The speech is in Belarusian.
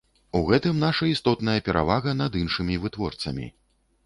У гэтым наша істотная перавага над іншымі вытворцамі.